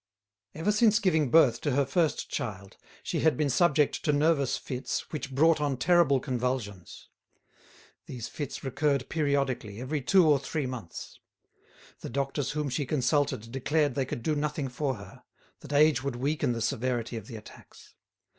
Ever since giving birth to her first child she had been subject to nervous fits which brought on terrible convulsions. These fits recurred periodically, every two or three months. The doctors whom she consulted declared they could do nothing for her, that age would weaken the severity of the attacks.